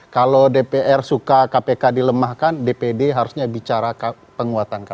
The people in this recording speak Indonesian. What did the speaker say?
kalau dpr suka kpk dilemahkan dpd harusnya bicara penguatan kpk